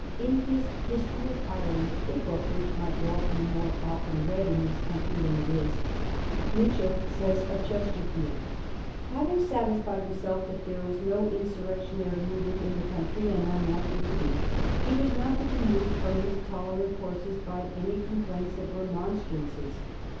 In his " History of Ireland," a book which might well be more often read in this country than it is, Mitchel says of Chesterfield :" Having satisfied himself that there was no insurrectionary movement in the country, and none likely to be, he was not to be moved from his tolerant courses by any complaints or remon strances.